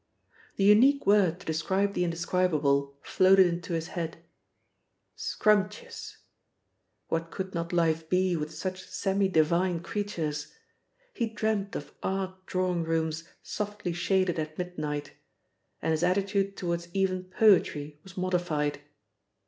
The unique word to describe the indescribable floated into his head: "Scrumptuous!" What could not life be with such semi divine creatures? He dreamt of art drawing rooms softly shaded at midnight. And his attitude towards even poetry was modified.